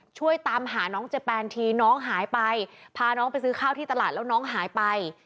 ช่วยตามหาน้องเจแปนทีน้องหายไปพาน้องไปซื้อข้าวที่ตลาดแล้วน้องหายไป